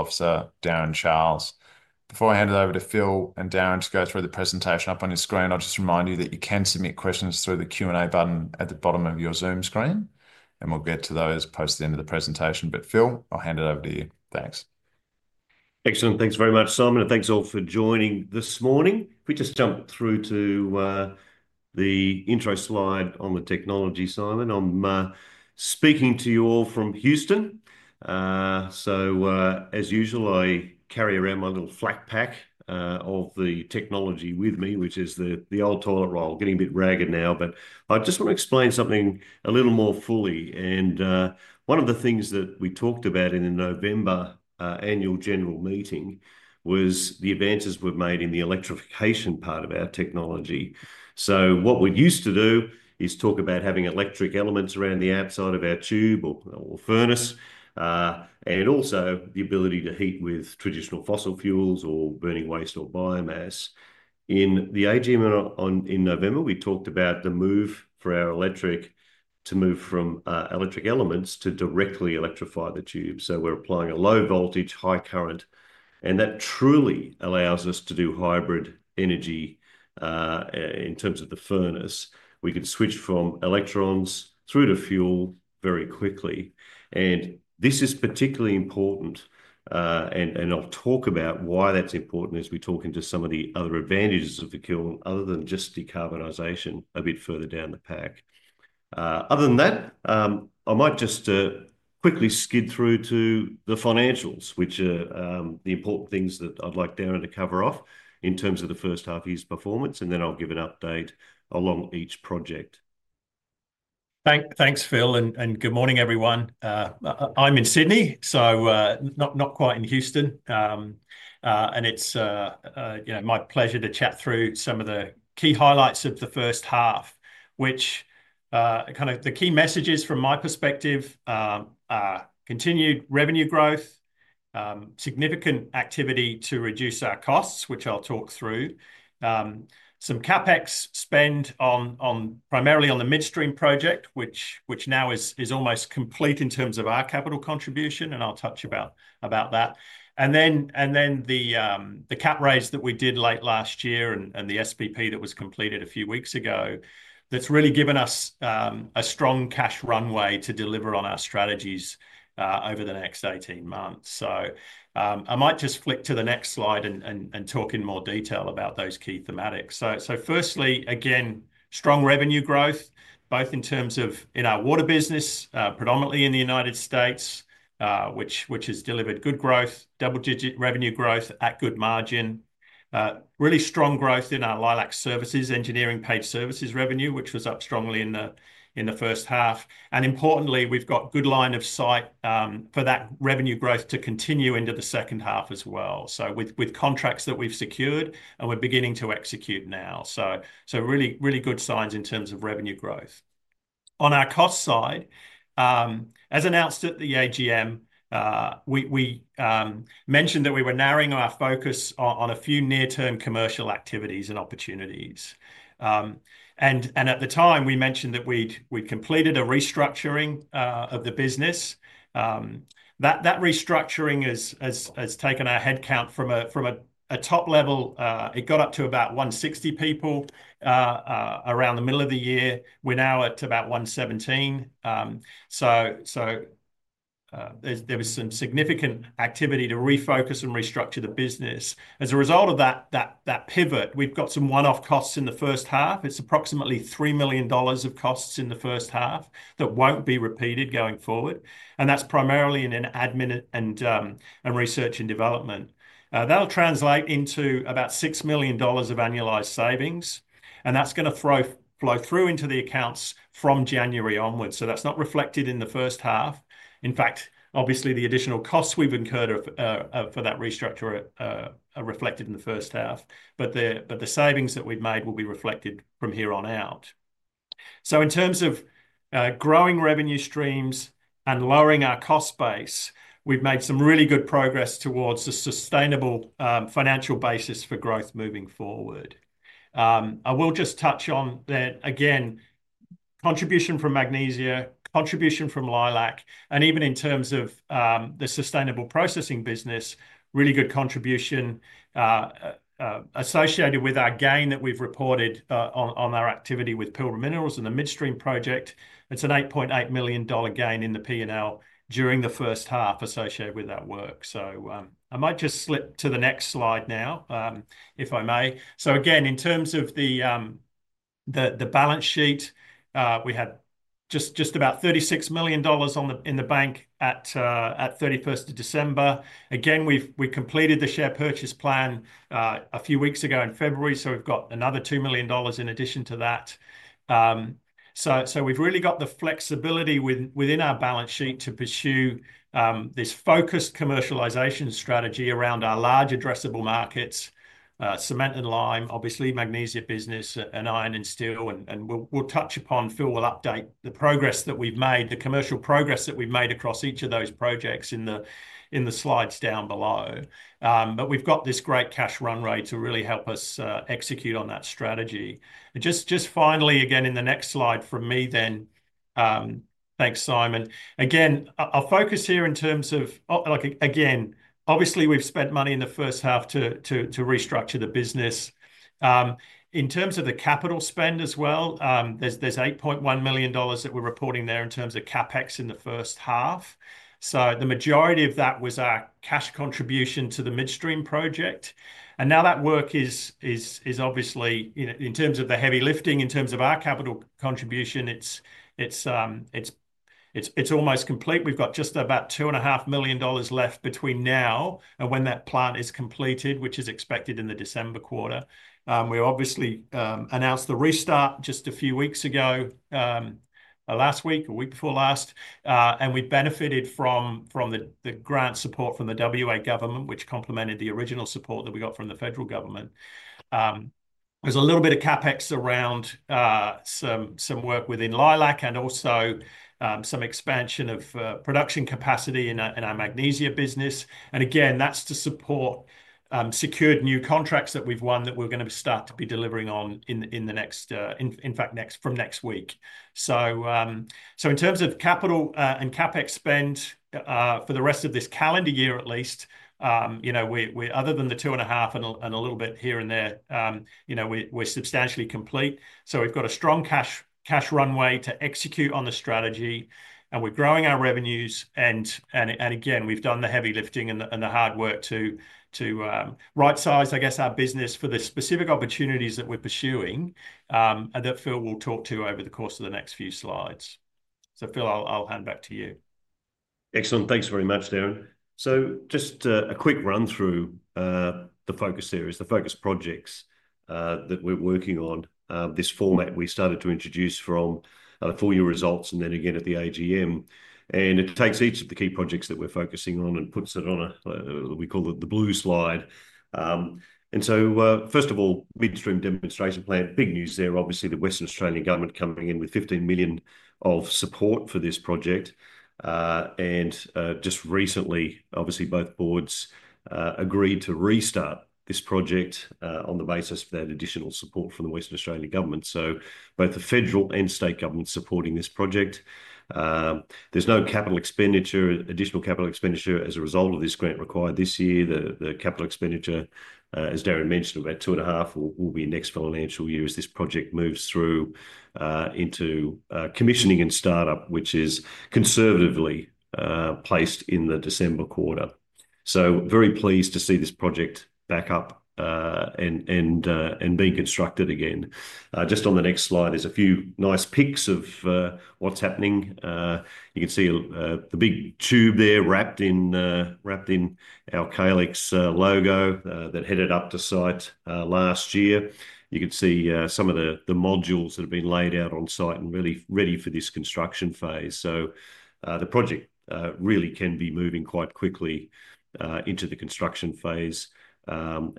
Chief Financial Officer Darren Charles. Before I hand it over to Phil and Darren to go through the presentation up on your screen, I'll just remind you that you can submit questions through the Q&A button at the bottom of your Zoom screen, and we'll get to those posted into the presentation. Phil, I'll hand it over to you. Thanks. Excellent. Thanks very much, Simon, and thanks all for joining this morning. If we just jump through to the intro slide on the technology, Simon, I'm speaking to you all from Houston. As usual, I carry around my little flat pack of the technology with me, which is the old toilet roll. Getting a bit ragged now, but I just want to explain something a little more fully. One of the things that we talked about in the November annual general meeting was the advances we've made in the electrification part of our technology. What we used to do is talk about having electric elements around the outside of our tube or furnace, and also the ability to heat with traditional fossil fuels or burning waste or biomass. In the AGM in November, we talked about the move for our electric to move from electric elements to directly electrify the tube. We are applying a low voltage, high current, and that truly allows us to do hybrid energy in terms of the furnace. We can switch from electrons through to fuel very quickly. This is particularly important, and I will talk about why that is important as we talk into some of the other advantages of the kiln other than just decarbonisation a bit further down the pack. Other than that, I might just quickly skid through to the financials, which are the important things that I would like Darren to cover off in terms of the first half year's performance, and then I will give an update along each project. Thanks, Phil, and good morning, everyone. I'm in Sydney, so not quite in Houston, and it's my pleasure to chat through some of the key highlights of the first half, which kind of the key messages from my perspective are continued revenue growth, significant activity to reduce our costs, which I'll talk through, some CapEx spend primarily on the midstream project, which now is almost complete in terms of our capital contribution, and I'll touch about that, and then the cap raise that we did late last year and the SPP that was completed a few weeks ago that's really given us a strong cash runway to deliver on our strategies over the next 18 months. I might just flick to the next slide and talk in more detail about those key thematics. Firstly, again, strong revenue growth, both in terms of in our water business, predominantly in the United States, which has delivered good growth, double-digit revenue growth at good margin, really strong growth in our Leilac services, engineering paid services revenue, which was up strongly in the first half. Importantly, we've got good line of sight for that revenue growth to continue into the second half as well, with contracts that we've secured and we're beginning to execute now. Really good signs in terms of revenue growth. On our cost side, as announced at the AGM, we mentioned that we were narrowing our focus on a few near-term commercial activities and opportunities. At the time, we mentioned that we'd completed a restructuring of the business. That restructuring has taken our headcount from a top level. It got up to about 160 people around the middle of the year. We're now at about 117. There was some significant activity to refocus and restructure the business. As a result of that pivot, we've got some one-off costs in the first half. It's approximately $3 million of costs in the first half that won't be repeated going forward, and that's primarily in admin and research and development. That'll translate into about $6 million of annualized savings, and that's going to flow through into the accounts from January onwards. That's not reflected in the first half. In fact, obviously, the additional costs we've incurred for that restructure are reflected in the first half, but the savings that we've made will be reflected from here on out. In terms of growing revenue streams and lowering our cost base, we've made some really good progress towards a sustainable financial basis for growth moving forward. I will just touch on that again: contribution from magnesia, contribution from Leilac, and even in terms of the sustainable processing business, really good contribution associated with our gain that we've reported on our activity with Pilbara Minerals and the midstream project. It's an $8.8 million gain in the P&L during the first half associated with that work. I might just slip to the next slide now, if I may. Again, in terms of the balance sheet, we had just about $36 million in the bank at 31st of December. We completed the share purchase plan a few weeks ago in February, so we've got another $2 million in addition to that. We have really got the flexibility within our balance sheet to pursue this focused commercialisation strategy around our large addressable markets: cement and lime, obviously magnesia business, and iron and steel. We will touch upon—Phil will update the progress that we have made, the commercial progress that we have made across each of those projects in the slides down below. We have got this great cash runway to really help us execute on that strategy. Just finally, again, in the next slide from me then, thanks, Simon. Again, our focus here in terms of—again, obviously, we have spent money in the first half to restructure the business. In terms of the capital spend as well, there is $8.1 million that we are reporting there in terms of CapEx in the first half. The majority of that was our cash contribution to the midstream project. That work is obviously, in terms of the heavy lifting, in terms of our capital contribution, it's almost complete. We've got just about 2.5 million dollars left between now and when that plant is completed, which is expected in the December quarter. We obviously announced the restart just a few weeks ago, last week, a week before last, and we benefited from the grant support from the WA government, which complemented the original support that we got from the federal government. There's a little bit of CapEx around some work within Leilac and also some expansion of production capacity in our magnesia business. Again, that's to support secured new contracts that we've won that we're going to start to be delivering on in the next—in fact, from next week. In terms of capital and CapEx spend for the rest of this calendar year, at least, other than the two and a half and a little bit here and there, we're substantially complete. We've got a strong cash runway to execute on the strategy, and we're growing our revenues. Again, we've done the heavy lifting and the hard work to right-size, I guess, our business for the specific opportunities that we're pursuing that Phil will talk to over the course of the next few slides. Phil, I'll hand back to you. Excellent. Thanks very much, Darren. Just a quick run through the focus series, the focus projects that we're working on, this format we started to introduce from the full year results and then again at the AGM. It takes each of the key projects that we're focusing on and puts it on a—we call it the blue slide. First of all, midstream demonstration plant, big news there, obviously, the Western Australian government coming in with 15 million of support for this project. Just recently, obviously, both boards agreed to restart this project on the basis of that additional support from the Western Australian government. Both the federal and state government are supporting this project. There is no additional capital expenditure as a result of this grant required this year. The capital expenditure, as Darren mentioned, about two and a half will be next financial year as this project moves through into commissioning and startup, which is conservatively placed in the December quarter. Very pleased to see this project back up and being constructed again. Just on the next slide, there's a few nice pics of what's happening. You can see the big tube there wrapped in our Calix logo that headed up to site last year. You can see some of the modules that have been laid out on site and ready for this construction phase. The project really can be moving quite quickly into the construction phase.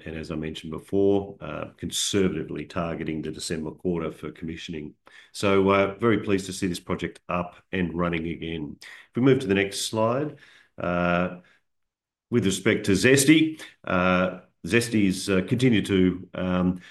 As I mentioned before, conservatively targeting the December quarter for commissioning. Very pleased to see this project up and running again. If we move to the next slide, with respect to ZESTY, ZESTY has continued to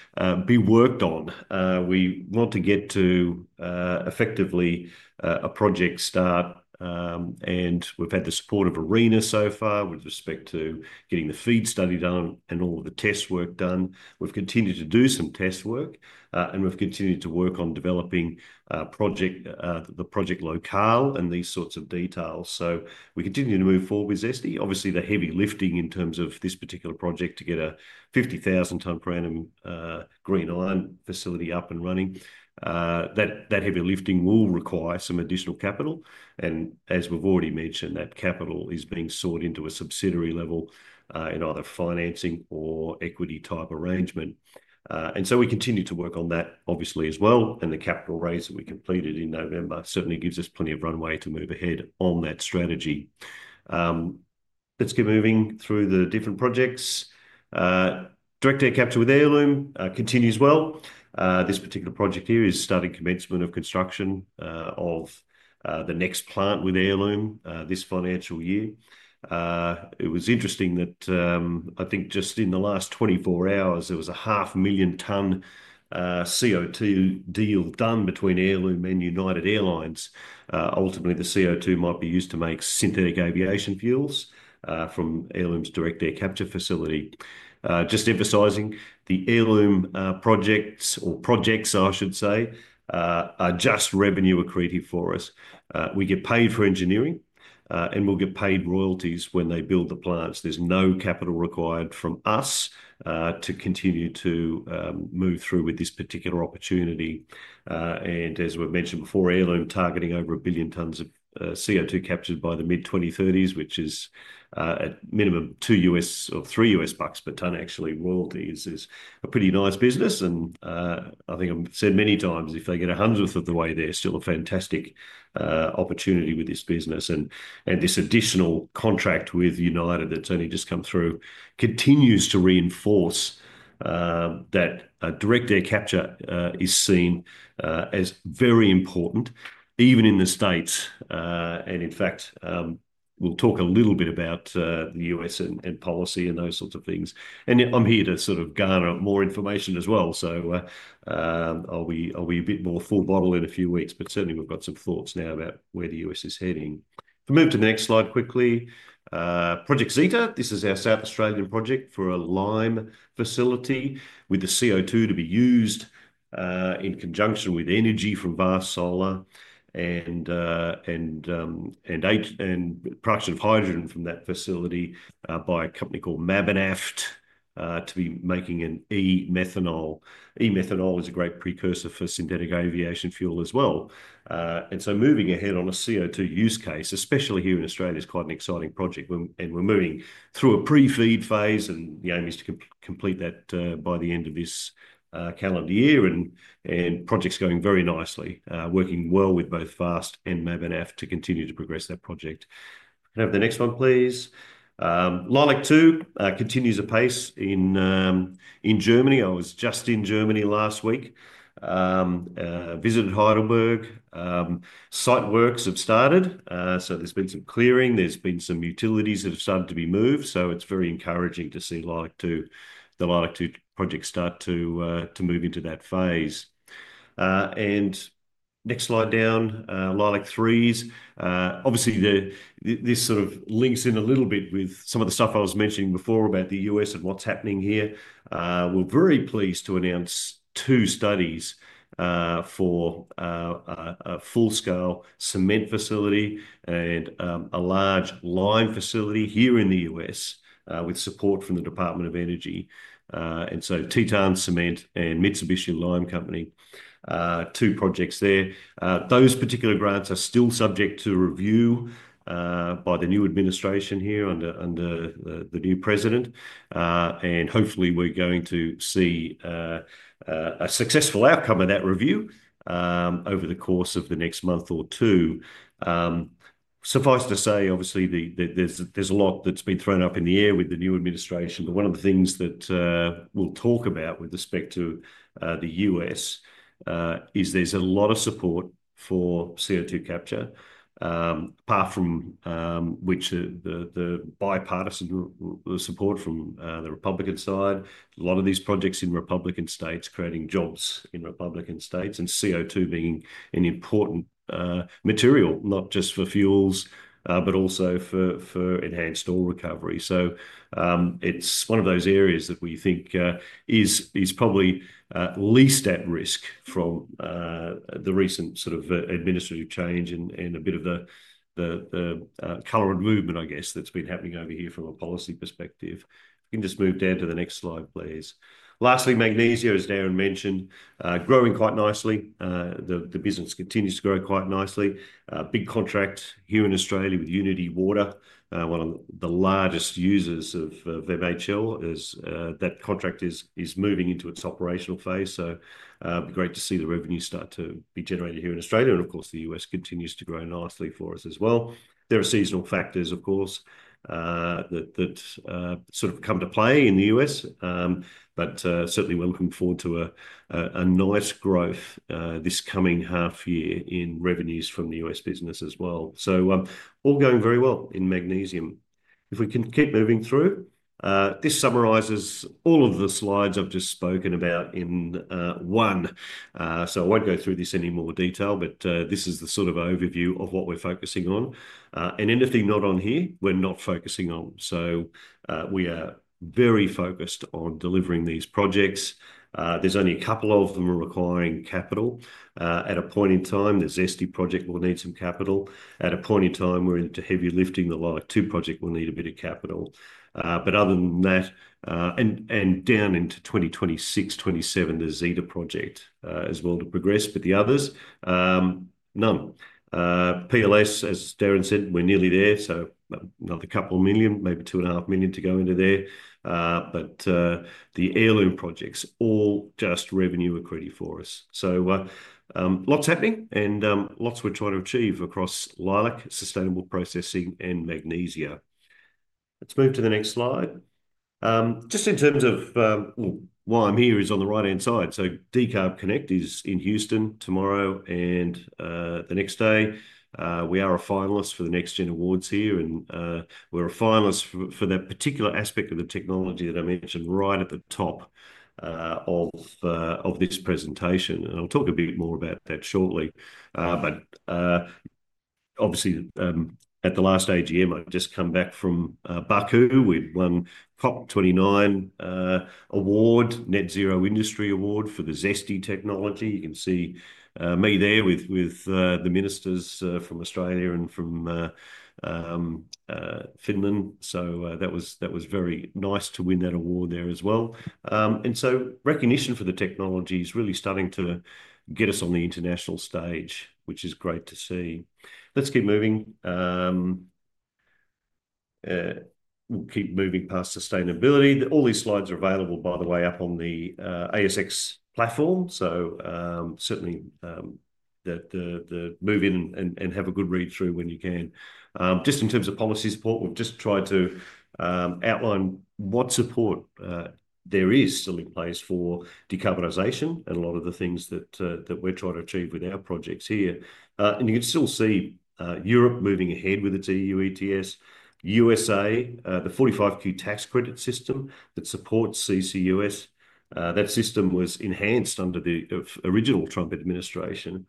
be worked on. We want to get to effectively a project start, and we've had the support of ARENA so far with respect to getting the FEED study done and all of the test work done. We've continued to do some test work, and we've continued to work on developing the project locale and these sorts of details. We continue to move forward with ZESTY. Obviously, the heavy lifting in terms of this particular project to get a 50,000 tonne per annum green line facility up and running, that heavy lifting will require some additional capital. As we've already mentioned, that capital is being sought into a subsidiary level in either financing or equity type arrangement. We continue to work on that, obviously, as well. The capital raise that we completed in November certainly gives us plenty of runway to move ahead on that strategy. Let's get moving through the different projects. Direct air capture with Heirloom continues well. This particular project here is starting commencement of construction of the next plant with Heirloom this financial year. It was interesting that I think just in the last 24 hours, there was a $500,000 tonne CO2 deal done between Heirloom and United Airlines. Ultimately, the CO2 might be used to make synthetic aviation fuels from Heirloom's direct air capture facility. Just emphasising, the Heirloom projects, or projects I should say, are just revenue accretive for us. We get paid for engineering, and we'll get paid royalties when they build the plants. There's no capital required from us to continue to move through with this particular opportunity. As we've mentioned before, Heirloom targeting over a billion tons of CO2 captured by the mid-2030s, which is at minimum $2 or $3 per tonne, actually, royalties, is a pretty nice business. I think I've said many times, if they get a hundredth of the way, there's still a fantastic opportunity with this business. This additional contract with United that's only just come through continues to reinforce that direct air capture is seen as very important even in the U.S. In fact, we'll talk a little bit about the U.S. and policy and those sorts of things. I'm here to sort of garner more information as well. I'll be a bit more full-bottled in a few weeks, but certainly we've got some thoughts now about where the U.S. is heading. If we move to the next slide quickly, Project ZETA, this is our South Australian project for a lime facility with the CO2 to be used in conjunction with energy from Vast Solar and production of hydrogen from that facility by a company called Mabanaft to be making an e-methanol. E-methanol is a great precursor for synthetic aviation fuel as well. Moving ahead on a CO2 use case, especially here in Australia, is quite an exciting project. We are moving through a pre-feed phase, and the aim is to complete that by the end of this calendar year. The project's going very nicely, working well with both Vast and Mabanaft to continue to progress that project. Can I have the next one, please? Leilac-2 continues apace in Germany. I was just in Germany last week, visited Heidelberg. Site works have started. There has been some clearing. have been some utilities that have started to be moved. It is very encouraging to see the Leilac-2 project start to move into that phase. Next slide down, Leilac-3s. Obviously, this sort of links in a little bit with some of the stuff I was mentioning before about the U.S. and what is happening here. We are very pleased to announce two studies for a full-scale cement facility and a large lime facility here in the U.S. with support from the Department of Energy. Teton Cement and Mississippi Lime Company, two projects there. Those particular grants are still subject to review by the new administration here under the new president. Hopefully, we are going to see a successful outcome of that review over the course of the next month or two. Suffice to say, obviously, there's a lot that's been thrown up in the air with the new administration. One of the things that we'll talk about with respect to the U.S. is there's a lot of support for CO2 capture, apart from which the bipartisan support from the Republican side, a lot of these projects in Republican states creating jobs in Republican states and CO2 being an important material, not just for fuels, but also for enhanced oil recovery. It is one of those areas that we think is probably least at risk from the recent sort of administrative change and a bit of the color and movement, I guess, that's been happening over here from a policy perspective. If we can just move down to the next slide, please. Lastly, magnesia, as Darren mentioned, growing quite nicely. The business continues to grow quite nicely. Big contract here in Australia with Unitywater, one of the largest users of MHL. That contract is moving into its operational phase. It'd be great to see the revenue start to be generated here in Australia. Of course, the U.S. continues to grow nicely for us as well. There are seasonal factors, of course, that sort of come to play in the US. Certainly, we're looking forward to a nice growth this coming half year in revenues from the U.S. business as well. All going very well in magnesium. If we can keep moving through, this summarises all of the slides I've just spoken about in one. I won't go through this any more detail, but this is the sort of overview of what we're focusing on. Anything not on here, we're not focusing on. We are very focused on delivering these projects. There's only a couple of them requiring capital. At a point in time, the ZESTY project will need some capital. At a point in time, we're into heavy lifting. The Leilac-2 project will need a bit of capital. Other than that, and down into 2026-2027, there's ZETA project as well to progress. The others, none. PLS, as Darren said, we're nearly there. Another couple of million, maybe $2.5 million to go into there. The Heirloom projects, all just revenue accredited for us. Lots happening and lots we're trying to achieve across Leilac, sustainable processing, and magnesia. Let's move to the next slide. In terms of why I'm here is on the right-hand side. Decarb Connect is in Houston tomorrow and the next day. We are a finalist for the NextGen Awards here, and we're a finalist for that particular aspect of the technology that I mentioned right at the top of this presentation. I'll talk a bit more about that shortly. Obviously, at the last AGM, I had just come back from Baku with one COP29 award, Net Zero Industry Award for the ZESTY technology. You can see me there with the ministers from Australia and from Finland. That was very nice to win that award there as well. Recognition for the technology is really starting to get us on the international stage, which is great to see. Let's keep moving. We'll keep moving past sustainability. All these slides are available, by the way, up on the ASX platform. Certainly, move in and have a good read through when you can. Just in terms of policy support, we've just tried to outline what support there is still in place for decarbonisation and a lot of the things that we're trying to achieve with our projects here. You can still see Europe moving ahead with its EU ETS. USA, the 45Q tax credit system that supports CCUS. That system was enhanced under the original Trump administration.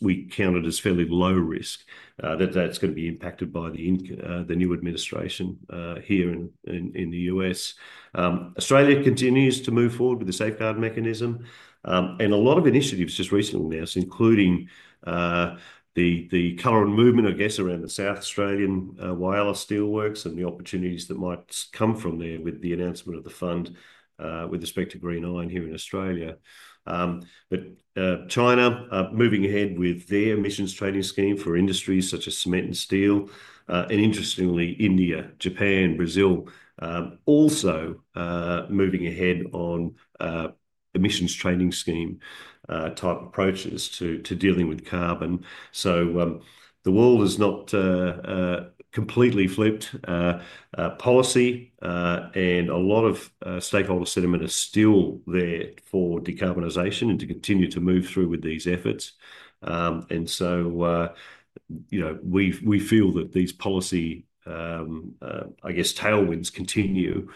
We count it as fairly low risk that that's going to be impacted by the new administration here in the U.S. Australia continues to move forward with the safeguard mechanism. A lot of initiatives just recently announced, including the current movement, I guess, around the South Australian Whyalla Steelworks and the opportunities that might come from there with the announcement of the fund with respect to green iron here in Australia. China moving ahead with their emissions trading scheme for industries such as cement and steel. Interestingly, India, Japan, Brazil also moving ahead on emissions trading scheme type approaches to dealing with carbon. The world has not completely flipped. Policy and a lot of stakeholder sentiment are still there for decarbonisation and to continue to move through with these efforts. We feel that these policy, I guess, tailwinds continue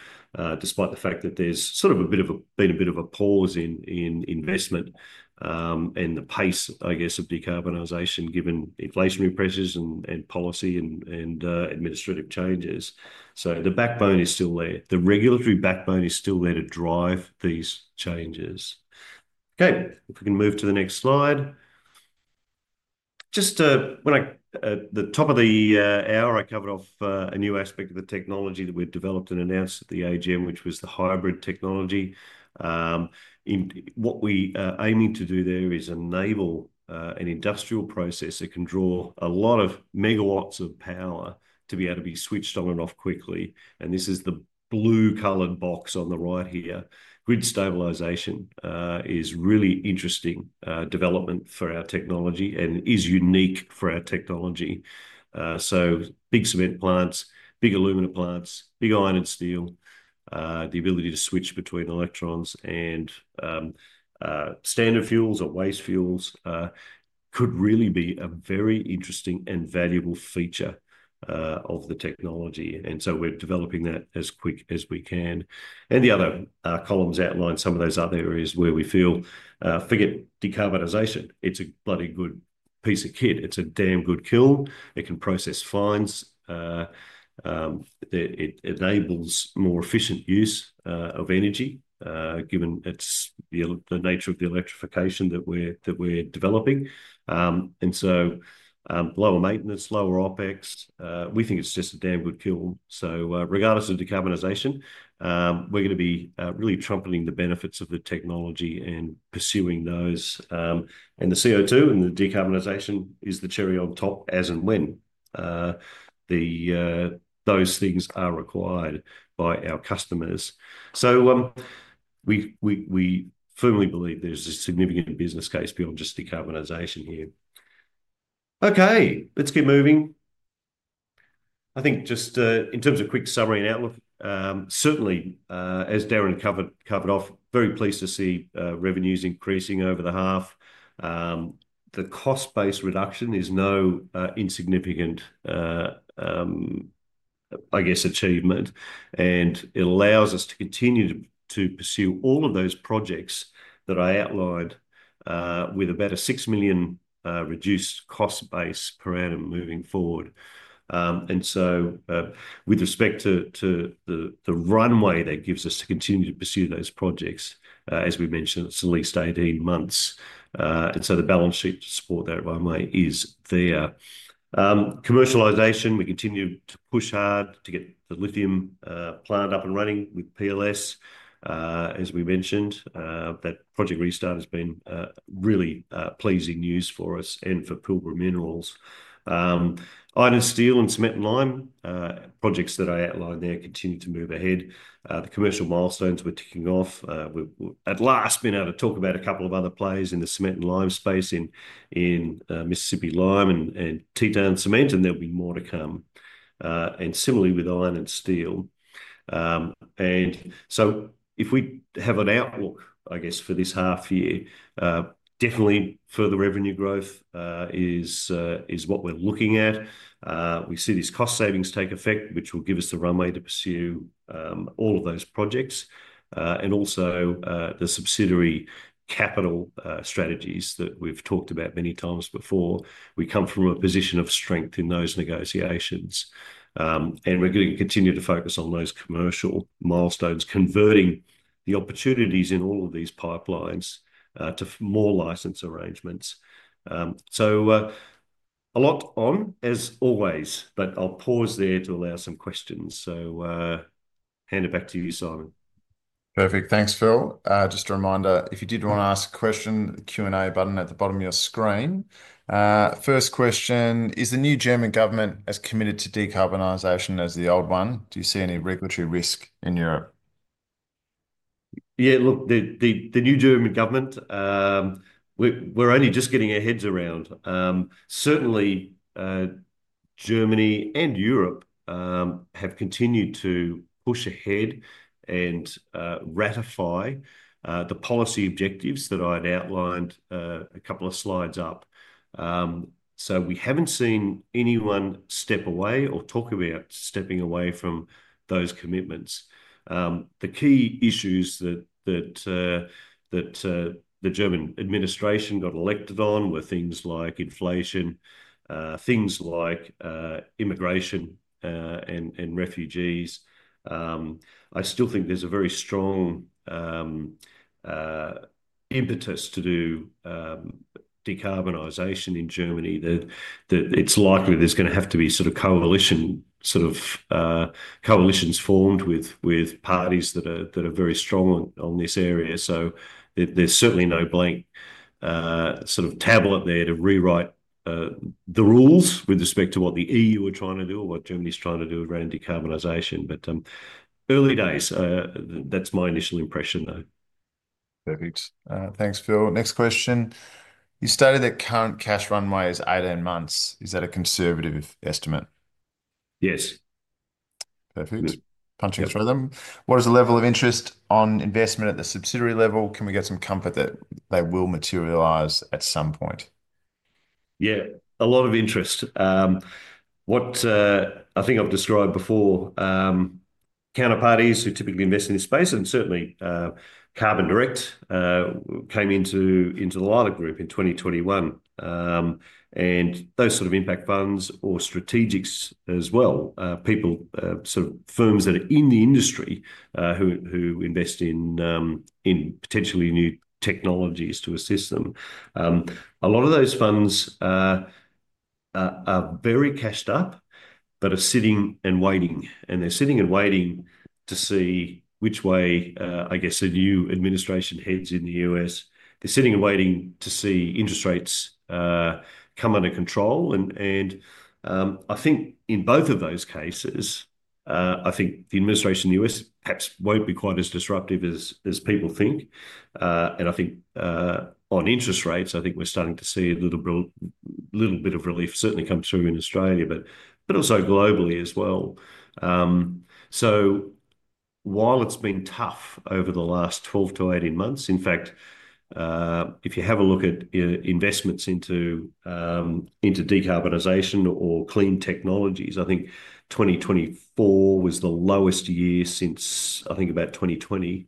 despite the fact that there's sort of a bit of a been a bit of a pause in investment and the pace, I guess, of decarbonisation given inflationary pressures and policy and administrative changes. The backbone is still there. The regulatory backbone is still there to drive these changes. Okay. If we can move to the next slide. Just when I, at the top of the hour, I covered off a new aspect of the technology that we've developed and announced at the AGM, which was the hybrid technology. What we are aiming to do there is enable an industrial process that can draw a lot of megawatts of power to be able to be switched on and off quickly. This is the blue colored box on the right here. Grid stabilisation is a really interesting development for our technology and is unique for our technology. Big cement plants, big aluminum plants, big iron and steel, the ability to switch between electrons and standard fuels or waste fuels could really be a very interesting and valuable feature of the technology. We are developing that as quick as we can. The other columns outline some of those other areas where we feel, forget decarbonisation. It's a bloody good piece of kit. It's a damn good kiln. It can process fines. It enables more efficient use of energy given the nature of the electrification that we're developing. Lower maintenance, lower OpEx. We think it's just a damn good kiln. Regardless of decarbonisation, we're going to be really trumpeting the benefits of the technology and pursuing those. The CO2 and the decarbonisation is the cherry on top as and when those things are required by our customers. We firmly believe there's a significant business case beyond just decarbonisation here. Okay. Let's keep moving. I think just in terms of quick summary and outlook, certainly, as Darren covered off, very pleased to see revenues increasing over the half. The cost-based reduction is no insignificant, I guess, achievement. It allows us to continue to pursue all of those projects that I outlined with about a 6 million reduced cost base per annum moving forward. With respect to the runway that gives us to continue to pursue those projects, as we mentioned, it is at least 18 months. The balance sheet to support that runway is there. Commercialisation, we continue to push hard to get the lithium plant up and running with PLS, as we mentioned. That project restart has been really pleasing news for us and for Pilbara Minerals. Iron and steel and cement and lime, projects that I outlined there continue to move ahead. The commercial milestones we are ticking off. We have at last been able to talk about a couple of other plays in the cement and lime space in Mississippi Lime and Teton Cement, and there will be more to come. Similarly with iron and steel. If we have an outlook, I guess, for this half year, definitely further revenue growth is what we're looking at. We see these cost savings take effect, which will give us the runway to pursue all of those projects. Also the subsidiary capital strategies that we've talked about many times before. We come from a position of strength in those negotiations. We're going to continue to focus on those commercial milestones, converting the opportunities in all of these pipelines to more license arrangements. A lot on as always, but I'll pause there to allow some questions. I hand it back to you, Simon. Perfect. Thanks, Phil. Just a reminder, if you did want to ask a question, the Q&A button at the bottom of your screen. First question, is the new German government as committed to decarbonisation as the old one? Do you see any regulatory risk in Europe? Yeah, look, the new German government, we're only just getting our heads around. Certainly, Germany and Europe have continued to push ahead and ratify the policy objectives that I'd outlined a couple of slides up. We haven't seen anyone step away or talk about stepping away from those commitments. The key issues that the German administration got elected on were things like inflation, things like immigration and refugees. I still think there's a very strong impetus to do decarbonisation in Germany. It's likely there's going to have to be sort of coalitions, sort of coalitions formed with parties that are very strong on this area. There is certainly no blank sort of tablet there to rewrite the rules with respect to what the EU are trying to do or what Germany is trying to do around decarbonisation. Early days, that is my initial impression, though. Perfect. Thanks, Phil. Next question. You stated that current cash runway is 18 months. Is that a conservative estimate? Yes. Perfect. Punching through them. What is the level of interest on investment at the subsidiary level? Can we get some comfort that they will materialise at some point? Yeah, a lot of interest. What I think I have described before, counterparties who typically invest in this space, and certainly Carbon Direct came into the Leilac Group in 2021. Those sort of impact funds or strategics as well, people, sort of firms that are in the industry who invest in potentially new technologies to assist them. A lot of those funds are very cashed up, but are sitting and waiting. They're sitting and waiting to see which way, I guess, the new administration heads in the U.S. They're sitting and waiting to see interest rates come under control. I think in both of those cases, I think the administration in the U.S. perhaps won't be quite as disruptive as people think. I think on interest rates, I think we're starting to see a little bit of relief certainly come through in Australia, but also globally as well. While it's been tough over the last 12-18 months, in fact, if you have a look at investments into decarbonisation or clean technologies, I think 2024 was the lowest year since, I think, about 2020.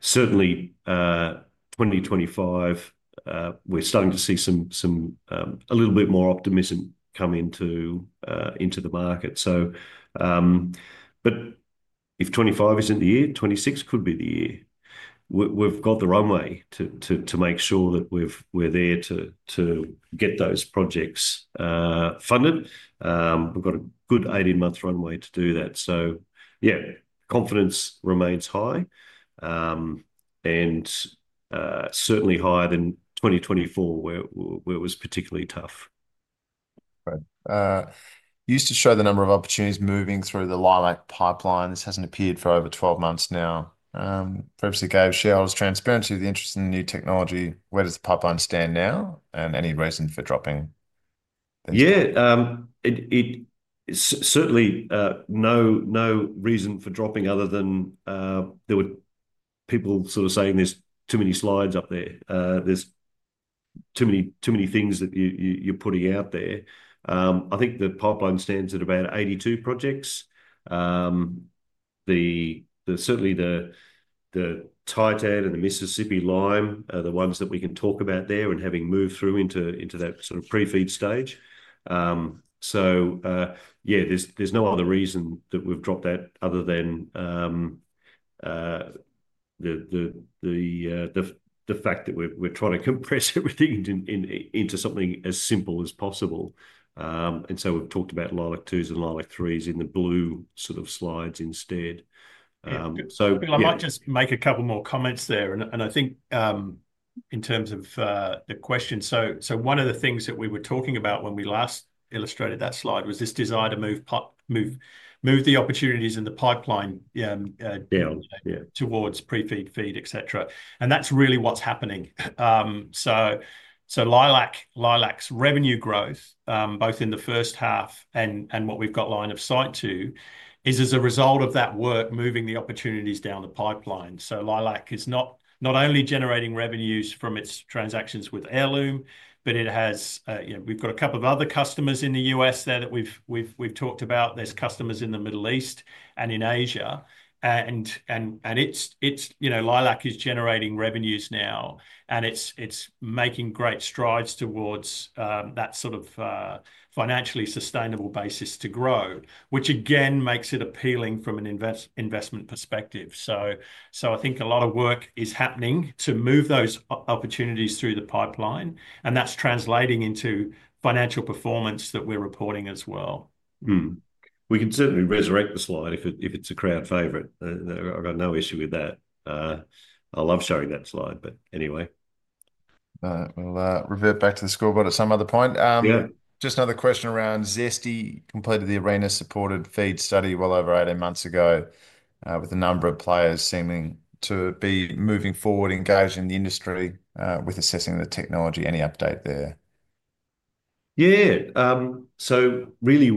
Certainly, 2025, we're starting to see a little bit more optimism come into the market. If 2025 isn't the year, 2026 could be the year. We've got the runway to make sure that we're there to get those projects funded. We've got a good 18-month runway to do that. Yeah, confidence remains high and certainly higher than 2024, where it was particularly tough. Right. You used to show the number of opportunities moving through the Leilac pipeline. This hasn't appeared for over 12 months now. Previously gave shareholders transparency of the interest in the new technology. Where does the pipeline stand now? Any reason for dropping? Yeah. Certainly, no reason for dropping other than there were people sort of saying there's too many slides up there. There's too many things that you're putting out there. I think the pipeline stands at about 82 projects. Certainly, the Teton and the Mississippi Lime are the ones that we can talk about there and having moved through into that sort of pre-feed stage. Yeah, there's no other reason that we've dropped that other than the fact that we're trying to compress everything into something as simple as possible. We've talked about Leilac-2s and Leilac-3s in the blue sort of slides instead. I might just make a couple more comments there. I think in terms of the question, one of the things that we were talking about when we last illustrated that slide was this desire to move the opportunities in the pipeline down towards pre-feed, feed, etc. That's really what's happening. Leilac's revenue growth, both in the first half and what we've got line of sight to, is as a result of that work moving the opportunities down the pipeline. Leilac is not only generating revenues from its transactions with Heirloom, but it has we've got a couple of other customers in the U.S. there that we've talked about. There's customers in the Middle East and in Asia. Leilac is generating revenues now, and it's making great strides towards that sort of financially sustainable basis to grow, which again makes it appealing from an investment perspective. I think a lot of work is happening to move those opportunities through the pipeline, and that's translating into financial performance that we're reporting as well. We can certainly resurrect the slide if it's a crowd favourite. I've got no issue with that. I love showing that slide, but anyway. We'll revert back to the score board at some other point. Just another question around ZESTY. Completed the ARENA-supported FEED study well over 18 months ago with a number of players seeming to be moving forward, engaged in the industry with assessing the technology. Any update there? Yeah. Really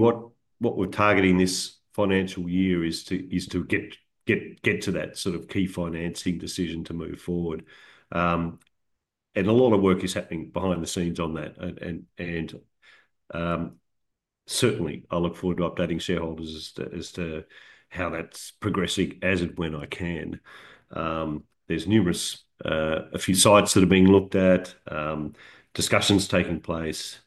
what we're targeting this financial year is to get to that sort of key financing decision to move forward. A lot of work is happening behind the scenes on that. Certainly, I look forward to updating shareholders as to how that's progressing as and when I can. There are numerous sites that are being looked at, discussions taking place.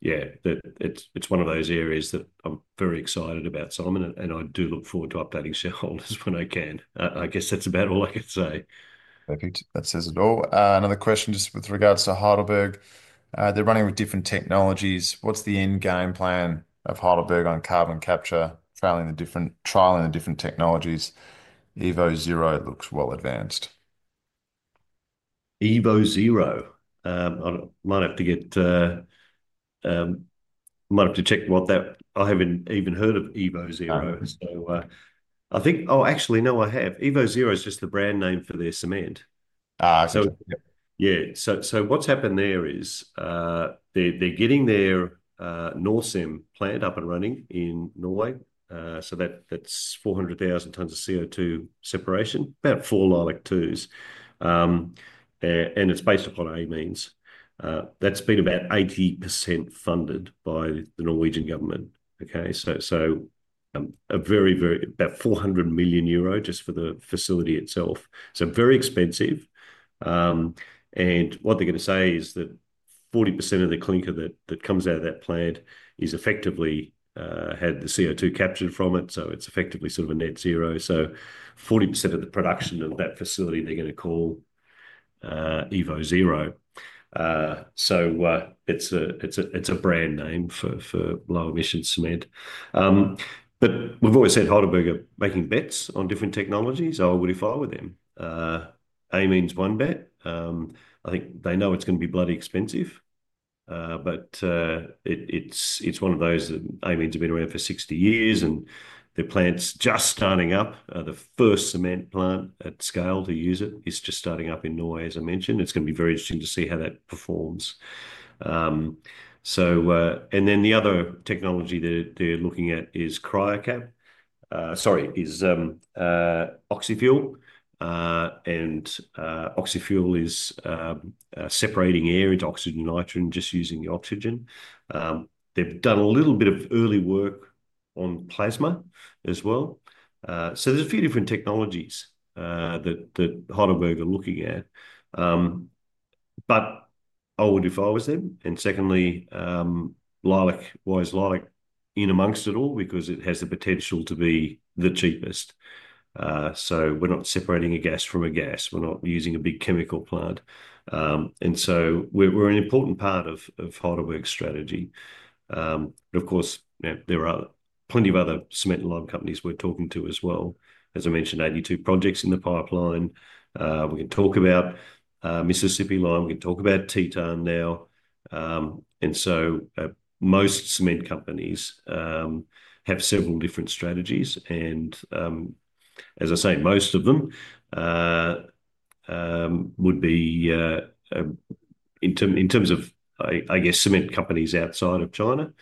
Yeah, it's one of those areas that I'm very excited about, Simon, and I do look forward to updating shareholders when I can. I guess that's about all I can say. Perfect. That says it all. Another question just with regards to Heidelberg. They're running with different technologies. What's the end game plan of Heidelberg on carbon capture, trialing the different technologies? evoZero looks well advanced. evoZero. I might have to check what that I haven't even heard of evoZero. I think, oh, actually, no, I have. evoZero is just the brand name for their cement. Yeah. What's happened there is they're getting their Norcem plant up and running in Norway. That's 400,000 tons of CO2 separation, about four Leilac-2s. It's based upon amines. That's been about 80% funded by the Norwegian government. A very, very about 400 million euro just for the facility itself. Very expensive. What they're going to say is that 40% of the clinker that comes out of that plant has effectively had the CO2 captured from it. It is effectively sort of a net zero. 40% of the production of that facility, they're going to call evoZero. It is a brand name for low-emission cement. We've always said Heidelberg are making bets on different technologies, so I wouldn't fight with them. A means one bet. I think they know it's going to be bloody expensive. It is one of those that A means have been around for 60 years, and their plant's just starting up. The first cement plant at scale to use it is just starting up in Norway, as I mentioned. It is going to be very interesting to see how that performs. The other technology they're looking at is Cryocap. Sorry, is Oxyfuel. Oxyfuel is separating air into oxygen and nitrogen, just using the oxygen. They have done a little bit of early work on plasma as well. There are a few different technologies that Heidelberg are looking at. I would not fight with them. Secondly, Leilac, why is Leilac in amongst it all? Because it has the potential to be the cheapest. We are not separating a gas from a gas. We are not using a big chemical plant. We are an important part of Heidelberg's strategy. Of course, there are plenty of other cement and lime companies we are talking to as well. As I mentioned, 82 projects in the pipeline. We can talk about Mississippi Lime. We can talk about Teton now. Most cement companies have several different strategies. As I say, most of them would be in terms of, I guess, cement companies outside of China.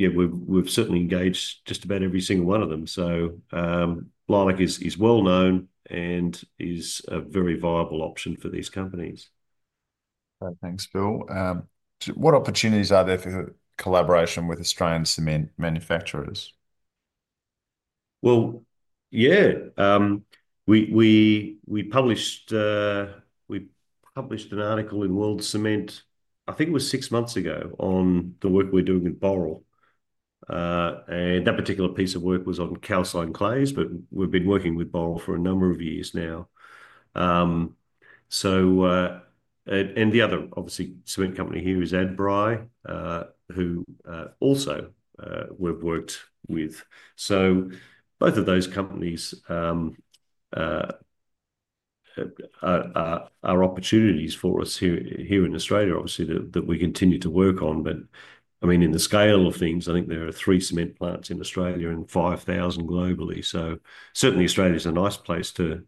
Yeah, we've certainly engaged just about every single one of them. So Leilac is well known and is a very viable option for these companies. Thanks, Phil. What opportunities are there for collaboration with Australian cement manufacturers? Yeah. We published an article in World Cement, I think it was six months ago, on the work we're doing with Boral. That particular piece of work was on calcine clays, but we've been working with Boral for a number of years now. The other, obviously, cement company here is Adbri, who also we've worked with. Both of those companies are opportunities for us here in Australia, obviously, that we continue to work on. I mean, in the scale of things, I think there are three cement plants in Australia and 5,000 globally. Certainly, Australia is a nice place to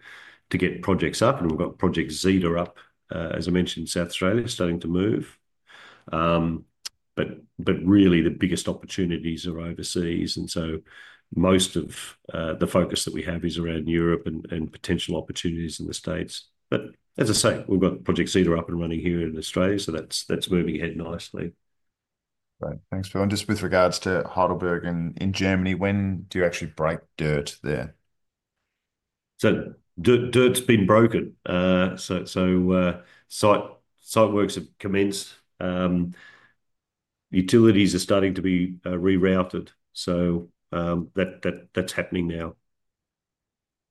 get projects up. We have got Project ZETA up, as I mentioned, in South Australia, starting to move. Really, the biggest opportunities are overseas. Most of the focus that we have is around Europe and potential opportunities in the States. As I say, we have got Project ZETA up and running here in Australia, so that is moving ahead nicely. Right. Thanks, Phil. Just with regards to Heidelberg in Germany, when do you actually break dirt there? Dirt has been broken. Site works have commenced. Utilities are starting to be rerouted. That is happening now.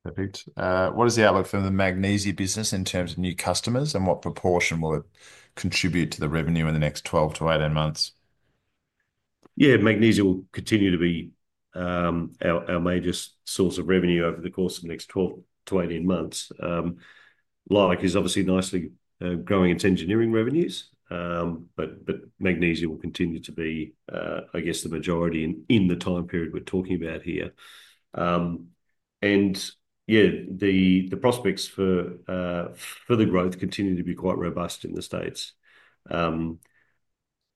Perfect. What is the outlook for the magnesium business in terms of new customers, and what proportion will it contribute to the revenue in the next 12 to 18 months? Magnesium will continue to be our major source of revenue over the course of the next 12 to 18 months. Leilac is obviously nicely growing its engineering revenues, but magnesium will continue to be, I guess, the majority in the time period we're talking about here. Yeah, the prospects for the growth continue to be quite robust in the States.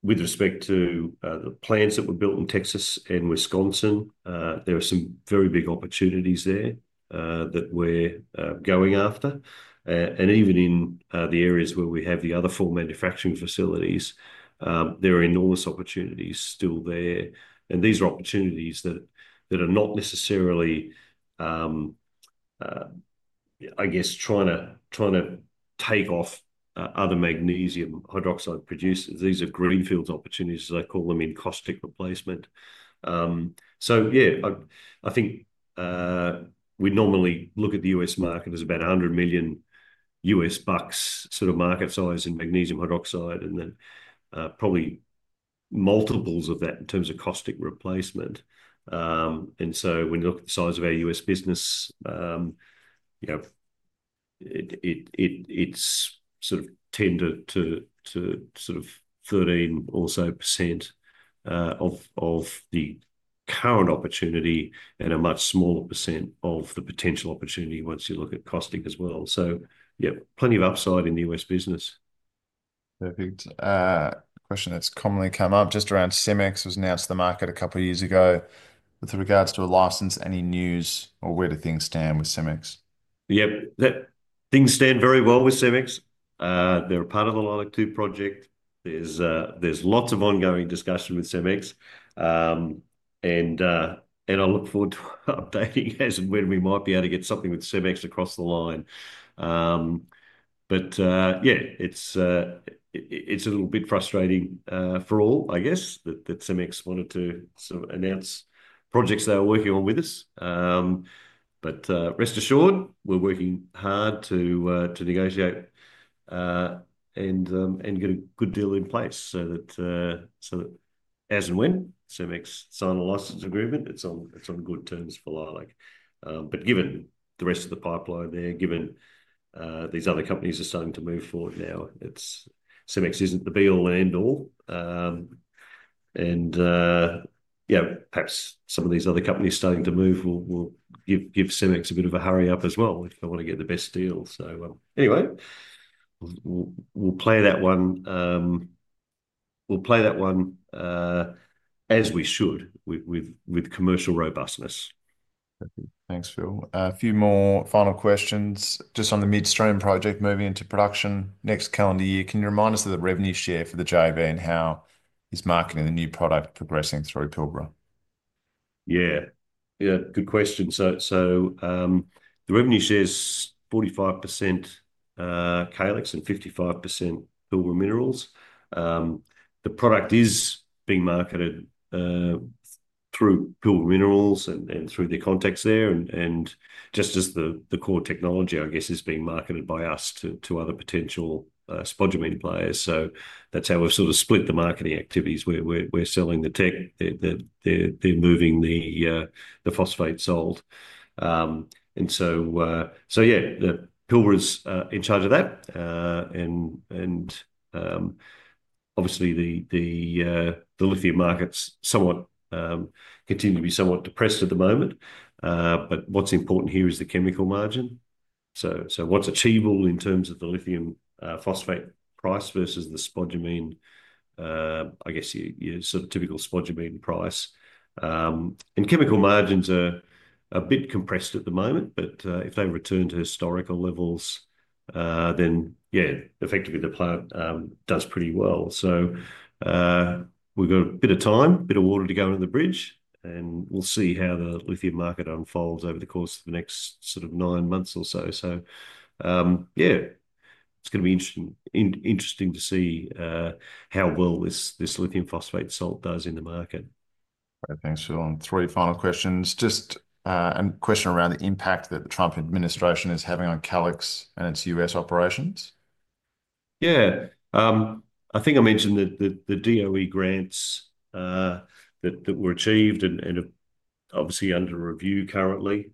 With respect to the plants that were built in Texas and Wisconsin, there are some very big opportunities there that we're going after. Even in the areas where we have the other four manufacturing facilities, there are enormous opportunities still there. These are opportunities that are not necessarily, I guess, trying to take off other magnesium hydroxide producers. These are greenfield opportunities, as I call them, in caustic replacement. Yeah, I think we normally look at the U.S. market as about $100 million sort of market size in magnesium hydroxide, and then probably multiples of that in terms of caustic replacement. When you look at the size of our US business, it's sort of tender to sort of 13% or so of the current opportunity and a much smaller percent of the potential opportunity once you look at caustic as well. Yeah, plenty of upside in the US business. Perfect. Question that's commonly come up just around Cemex was announced to the market a couple of years ago. With regards to a license, any news or where do things stand with Cemex? Yep. Things stand very well with Cemex. They're a part of the Leilac-2 project. There's lots of ongoing discussion with Cemex. I look forward to updating as to when we might be able to get something with Cemex across the line. Yeah, it's a little bit frustrating for all, I guess, that Cemex wanted to sort of announce projects they were working on with us. Rest assured, we're working hard to negotiate and get a good deal in place so that as and when Cemex sign a license agreement, it's on good terms for Leilac. Given the rest of the pipeline there, given these other companies are starting to move forward now, Cemex isn't the be-all and end-all. Perhaps some of these other companies starting to move will give Cemex a bit of a hurry up as well if they want to get the best deal. Anyway, we'll play that one. We'll play that one as we should with commercial robustness. Thanks, Phil. A few more final questions just on the midstream project moving into production next calendar year. Can you remind us of the revenue share for the JV and how is marketing the new product progressing through Pilbara? Yeah. Yeah. Good question. The revenue share is 45% Calix and 55% Pilbara Minerals. The product is being marketed through Pilbara Minerals and through their contacts there. Just as the core technology, I guess, is being marketed by us to other potential spodumene players. That is how we have sort of split the marketing activities. We are selling the tech. They are moving the phosphate sold. Pilbara is in charge of that. Obviously, the lithium markets continue to be somewhat depressed at the moment. What is important here is the chemical margin. What is achievable in terms of the lithium phosphate price versus the spodumene, I guess, sort of typical spodumene price. Chemical margins are a bit compressed at the moment, but if they return to historical levels, then yeah, effectively, the plant does pretty well. We have a bit of time, a bit of water to go under the bridge, and we'll see how the lithium market unfolds over the course of the next sort of nine months or so. It's going to be interesting to see how well this lithium phosphate salt does in the market. Right. Thanks, Phil. Three final questions. Just a question around the impact that the Trump administration is having on Calix and its U.S. operations. Yeah. I think I mentioned that the DOE grants that were achieved and are obviously under review currently.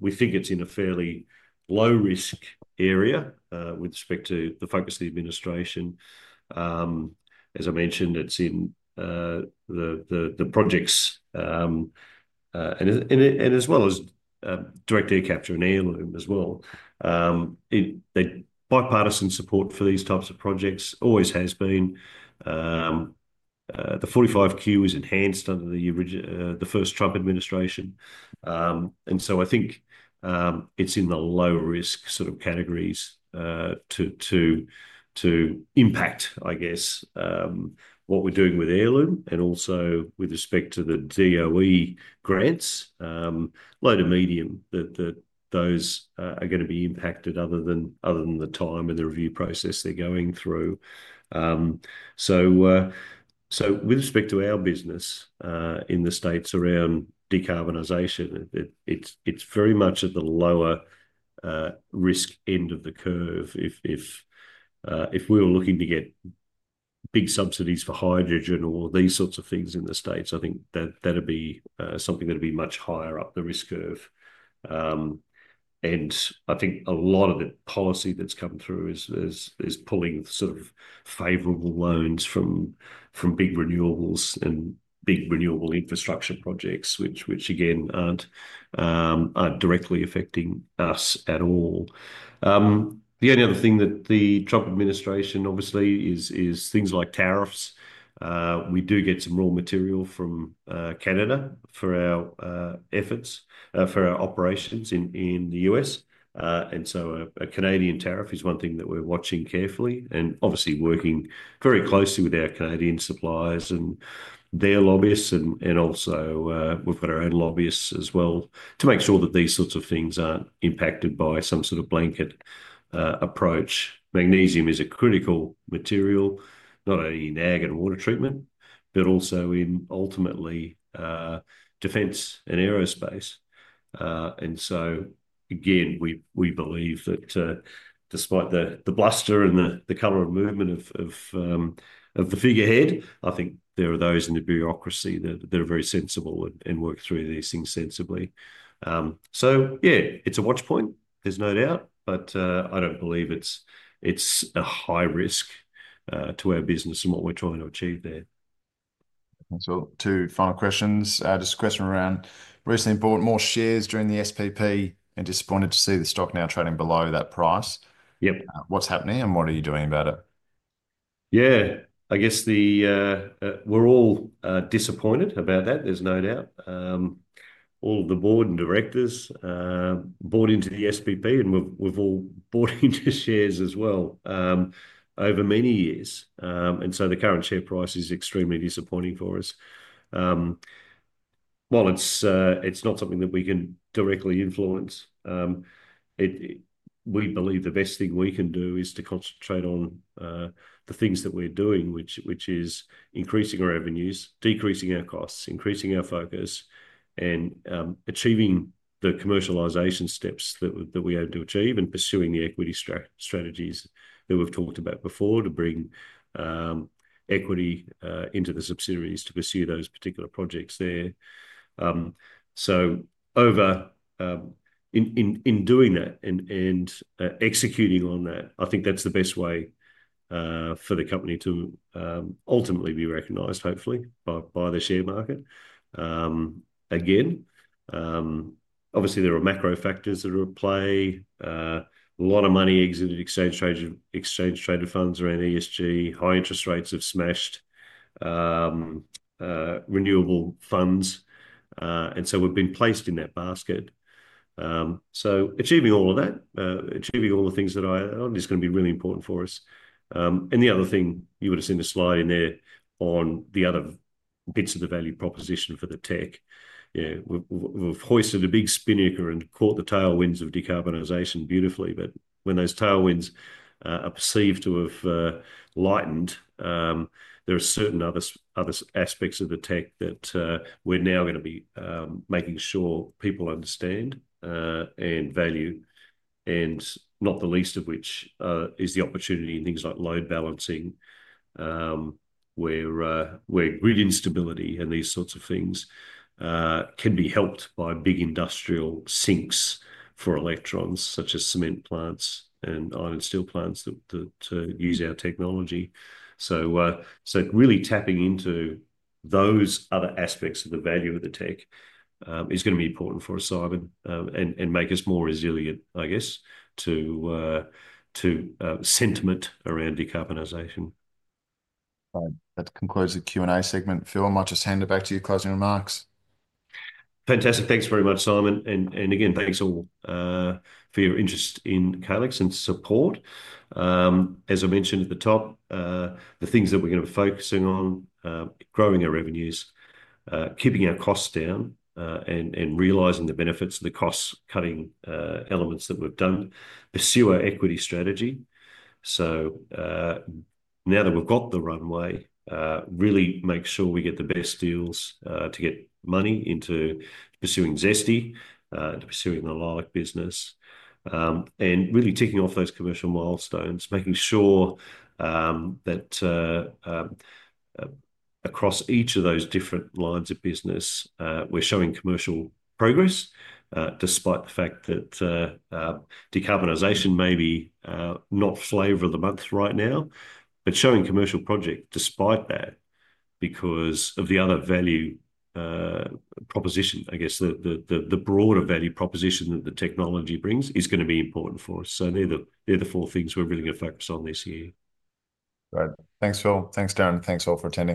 We think it's in a fairly low-risk area with respect to the focus of the administration. As I mentioned, it's in the projects and as well as direct air capture in Heirloom as well. Bipartisan support for these types of projects always has been. The 45Q was enhanced under the first Trump administration. I think it's in the low-risk sort of categories to impact, I guess, what we're doing with Heirloom and also with respect to the DOE grants. Low to medium that those are going to be impacted other than the time and the review process they're going through. With respect to our business in the States around decarbonisation, it's very much at the lower risk end of the curve. If we were looking to get big subsidies for hydrogen or these sorts of things in the States, I think that'd be something that'd be much higher up the risk curve. I think a lot of the policy that's come through is pulling sort of favorable loans from big renewables and big renewable infrastructure projects, which, again, aren't directly affecting us at all. The only other thing that the Trump administration obviously is things like tariffs. We do get some raw material from Canada for our efforts, for our operations in the U.S. A Canadian tariff is one thing that we're watching carefully and obviously working very closely with our Canadian suppliers and their lobbyists. Also, we've got our own lobbyists as well to make sure that these sorts of things aren't impacted by some sort of blanket approach. Magnesium is a critical material, not only in ag and water treatment, but also in ultimately defense and aerospace. Again, we believe that despite the bluster and the color of movement of the figurehead, I think there are those in the bureaucracy that are very sensible and work through these things sensibly. Yeah, it's a watch point, there's no doubt, but I do not believe it's a high risk to our business and what we're trying to achieve there. Thanks, Phil. Two final questions. Just a question around recently bought more shares during the SPP and disappointed to see the stock now trading below that price. What's happening and what are you doing about it? Yeah, I guess we're all disappointed about that. There's no doubt. All of the board and directors bought into the SPP, and we've all bought into shares as well over many years. The current share price is extremely disappointing for us. While it's not something that we can directly influence, we believe the best thing we can do is to concentrate on the things that we're doing, which is increasing our revenues, decreasing our costs, increasing our focus, and achieving the commercialisation steps that we're able to achieve and pursuing the equity strategies that we've talked about before to bring equity into the subsidiaries to pursue those particular projects there. In doing that and executing on that, I think that's the best way for the company to ultimately be recognised, hopefully, by the share market. Again, obviously, there are macro factors that are at play. A lot of money exited exchange-traded funds around ESG. High interest rates have smashed renewable funds. We have been placed in that basket. Achieving all of that, achieving all the things that I noted is going to be really important for us. You would have seen a slide in there on the other bits of the value proposition for the tech. We've hoisted a big spinnaker and caught the tailwinds of decarbonisation beautifully. When those tailwinds are perceived to have lightened, there are certain other aspects of the tech that we're now going to be making sure people understand and value, not the least of which is the opportunity in things like load balancing, where grid instability and these sorts of things can be helped by big industrial sinks for electrons, such as cement plants and iron and steel plants that use our technology. Really tapping into those other aspects of the value of the tech is going to be important for us, Simon, and make us more resilient, I guess, to sentiment around decarbonisation. Right. That concludes the Q&A segment. Phil, I might just hand it back to you, closing remarks. Fantastic. Thanks very much, Simon. Again, thanks all for your interest in Calix and support. As I mentioned at the top, the things that we're going to be focusing on, growing our revenues, keeping our costs down, and realising the benefits of the cost-cutting elements that we've done, pursue our equity strategy. Now that we've got the runway, really make sure we get the best deals to get money into pursuing ZESTY, into pursuing the Leilac business, and really ticking off those commercial milestones, making sure that across each of those different lines of business, we're showing commercial progress despite the fact that decarbonisation may be not flavor of the month right now, but showing commercial project despite that because of the other value proposition, I guess the broader value proposition that the technology brings is going to be important for us. They're the four things we're really going to focus on this year. Right. Thanks, Phil. Thanks, Darren. Thanks all for attending.